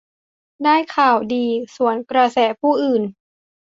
ได้ข่าวดีสวนกระแสผู้อื่น